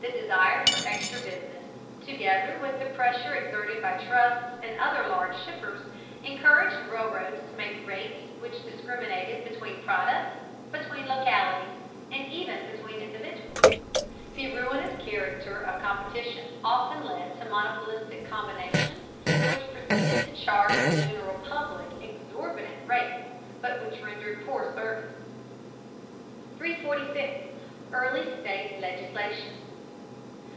The desire for extra business, together with the pressure exerted by trusts and other large shippers, encouraged railroads to make rates which discriminated between products, between localities, and even between individuals. The ruinous character of competition often led to monopolistic combinations which proceeded to charge the general public exorbitant rates, but which rendered poor service. 346. EARLY STATE LEGISLATION.